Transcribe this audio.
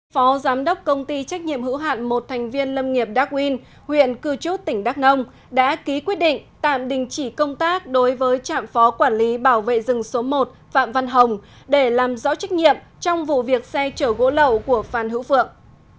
phó giám đốc công ty trách nhiệm hữu hạn một thành viên lâm nghiệp đắc uyên huyện cư chút tỉnh đắk nông đã ký quyết định tạm đình chỉ công tác đối với trạm phó quản lý bảo vệ rừng số một phạm văn hồng để làm rõ trách nhiệm trong vụ việc xe chở gỗ lậu của phan hữu phượng